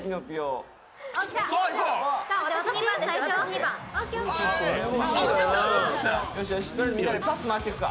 みんなでパス回していくか。